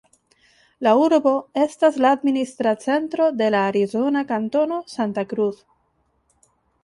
La urbo estas la administra centro de la arizona kantono "Santa Cruz".